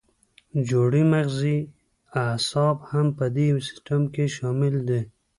جوړې مغزي اعصاب هم په دې سیستم کې شامل دي.